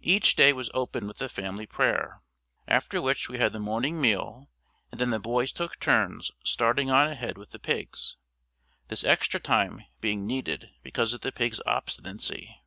Each day was opened with the family prayer, after which we had the morning meal and then the boys took turns starting on ahead with the pigs, this extra time being needed because of the pigs' obstinacy.